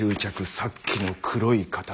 さっきの黒い塊。